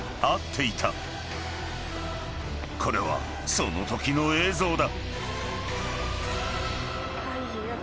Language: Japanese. ［これはそのときの映像だ］